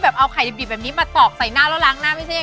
เม่บ้านประจันบันวันนี้ค่ะ